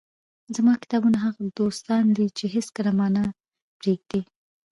زما کتابونه هغه دوستان دي، چي هيڅکله مانه پرېږي.